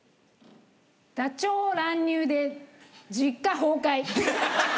ダチョウ乱入で実家崩壊。